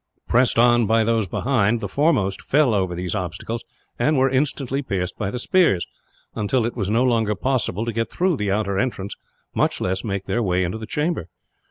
Pressed on by those behind, the foremost fell over these obstacles, and were instantly pierced by the spears; until it was no longer possible to get through the outer entrance, much less make their way into the chamber.